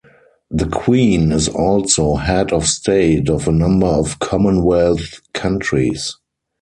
The Queen is also Head of State of a number of Commonwealth countries.